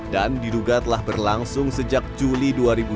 dan diduga telah berlangsung sejak juli dua ribu dua puluh dua